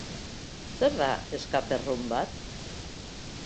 Zer da escape room bat?